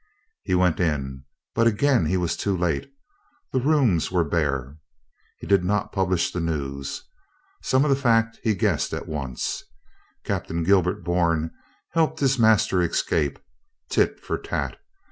He went in. But again he was too late. The rooms were bare. He did not publish the news. Some of the fact he guessed at once. Captain Gilbert Bourne helped his master escape. Tit for tat.